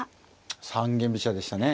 三間飛車でしたね。